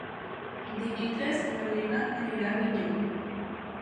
Dimecres na Lena anirà a Avinyó.